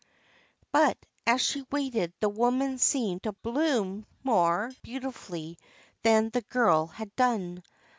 But as she waited the woman seemed to bloom more beautifully than the girl had done.